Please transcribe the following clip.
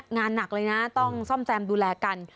งานหนักเลยนะต้องซ่อมแซมดูแลกัน